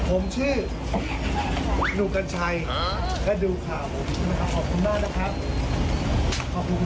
ผมชื่อนุกกัญชัยและดูข่าวขอบคุณมากนะครับขอบคุณต้ายจำได้